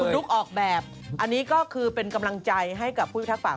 ลุกออกแบบอันนี้ก็คือเป็นกำลังใจให้กับผู้พิทักษา